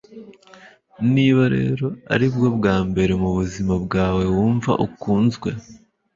niba rero aribwo bwa mbere mubuzima bwawe wumva ukunzwe